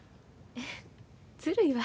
ずるいわ。